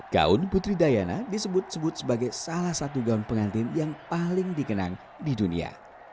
gaun putri diana disebut sebut sebagai salah satu gaun pengantin yang paling dikenang di dunia